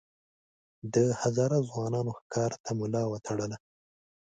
د هزاره ځوانانو ښکار ته ملا وتړله.